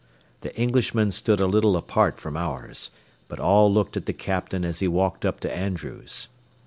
The Englishmen stood a little apart from ours, but all looked at the captain as he walked up to Andrews.